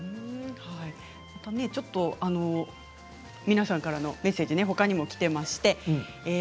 皆さんからのメッセージはほかにも来ています。